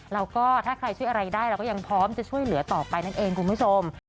แล้วก็ถ้าใครช่วยอะไรได้เราก็ยังพร้อมจะช่วยเหลือต่อไปนั่นเองคุณผู้ชม